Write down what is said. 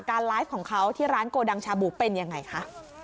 ไลฟ์ของเขาที่ร้านโกดังชาบูเป็นยังไงคะ